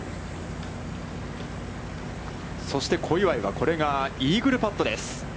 そして小祝は、これがイーグルパットです。